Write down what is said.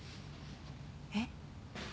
えっ？